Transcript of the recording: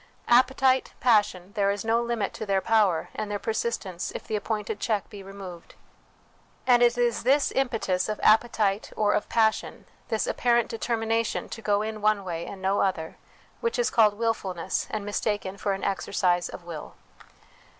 Appetite, passion, there is no limit to their power and their persistence if the appointed check be removed ; and it is this impetus of appetite or of passion, this apparent determination to go in one way and no other, which is called wilfulness and mistaken for an exercise of will.